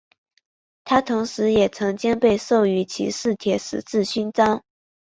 他同时也曾经被授予骑士铁十字勋章。